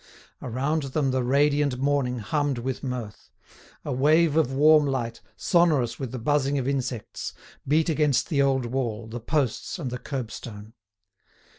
Around them the radiant morning hummed with mirth; a wave of warm light, sonorous with the buzzing of insects, beat against the old wall, the posts, and the curbstone.